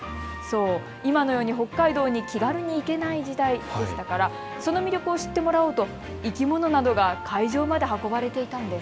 今のように北海道に気軽に行けない時代でしたからその魅力を知ってもらおうと生き物などが会場まで運ばれていたんです。